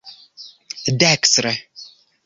dekstre